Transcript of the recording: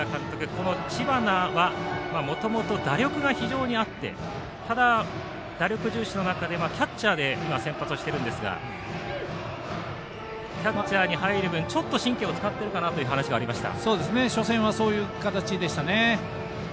この知花はもともと打力が非常にあってただ、打力重視の中でキャッチャーで今は先発しているんですがキャッチャーに入る分、ちょっと神経を使っているかなという話がありました。